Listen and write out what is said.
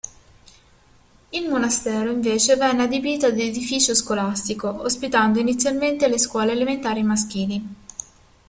Il monastero invece venne adibito ad edificio scolastico, ospitando inizialmente le scuole elementari maschili.